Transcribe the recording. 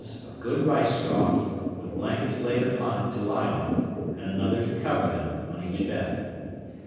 of good rice straw, with blankets laid upon it to lie on, and another to cover them, on each bed.